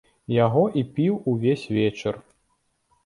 Яго і піў увесь вечар.